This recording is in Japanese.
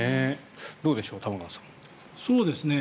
どうでしょう玉川さん。